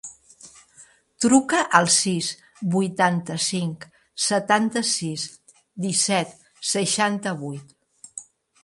Truca al sis, vuitanta-cinc, setanta-sis, disset, seixanta-vuit.